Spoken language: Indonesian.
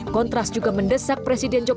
kontras juga mendesak presiden jokowi